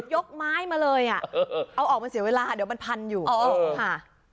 ยกไม้มาเลยอ่ะเอาออกมาเสียเวลาเดี๋ยวมันพันอยู่ค่ะ